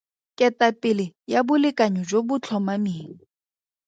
Ketapele ya bolekanyo jo bo tlhomameng.